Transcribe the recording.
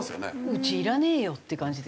うちいらねえよって感じで？